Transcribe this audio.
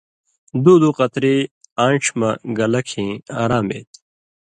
دُو دُو قطری آݩڇھیۡ مہ گلہ کھیں آرام اےتھی۔